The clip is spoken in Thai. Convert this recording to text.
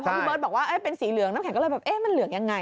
พี่เบิร์ตบอกว่าเป็นสีเหลืองน้ำแข็งก็เลยแบบเอ๊ะมันเหลืองยังไง